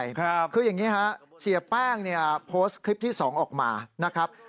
คืออย่างนี้ฮะเสียแป้งเนี่ยโพสต์คลิปที่สองออกมานะครับ